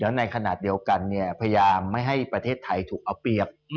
ในขณะเดียวกันพยายามไม่ให้ประเทศไทยถูกเอาเปรียบ